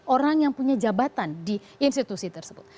orang yang punya jabatan di institusi tersebut